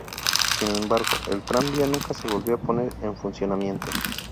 Sin embargo, el tranvía nunca se volvió a poner en funcionamiento.